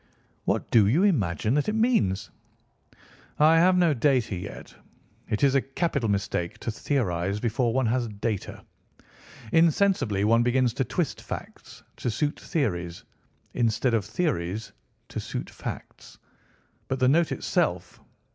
"What do you imagine that it means?" "I have no data yet. It is a capital mistake to theorise before one has data. Insensibly one begins to twist facts to suit theories, instead of theories to suit facts. But the note itself.